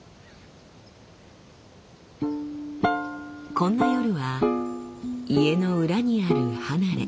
こんな夜は家の裏にある離れ